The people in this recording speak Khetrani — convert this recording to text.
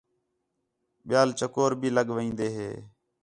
ٻِیال چکور بھی لڳ وین٘دے ہے